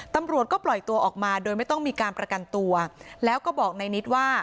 ตำรวจก็ปล่อยตัวออกมาโดยไม่ต้องมีการประกันตัวแล้วก็บอกในนิดว่า